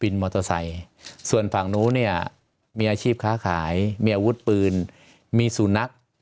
บินมอเตอร์ไซด์ส่วนฝั่งนู้นเนี่ยมีอาชีพค้าขายมีอาวุธปืนมีสูณัก